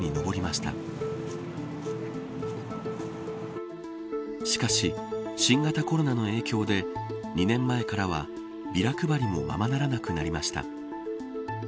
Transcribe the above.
しかし、新型コロナの影響で２年前からはビラ配りもままならなくなりました。